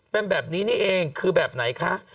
เป็นแบบนี้นี่เองคือแบบไหนคะ